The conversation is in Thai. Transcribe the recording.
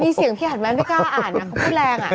มีเสียงพี่อัตไม่กล้าอ่านอ่ะเว้นแรงอ่ะ